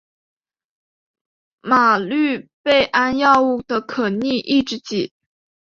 吗氯贝胺药物的可逆抑制剂。